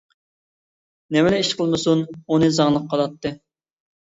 نېمىلا ئىش قىلمىسۇن ئۇنى زاڭلىق قىلاتتى.